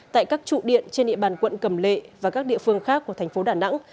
tại các trụ điện trên địa bàn quận cầm lệ và các địa phương khác của thành phố đà nẵng